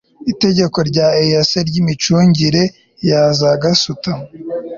Itegeko rya EAC ry Imicungire ya za Gasutamo